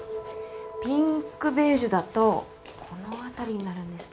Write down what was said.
ピンクベージュだとこの辺りになるんですけど。